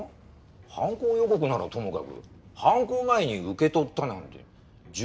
犯行予告ならともかく犯行前に「受け取った」なんて順序が逆じゃない？